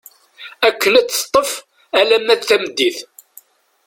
Akken ad teṭṭef alamma d tameddit.